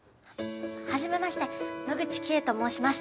はじめまして野口希恵と申します！